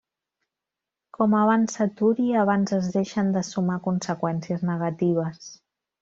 Com abans s'aturi abans es deixen de sumar conseqüències negatives.